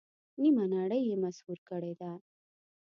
نیمه نړۍ یې مسحور کړې ده.